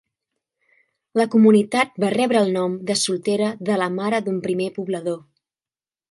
La comunitat va rebre el nom de soltera de la mare d'un primer poblador.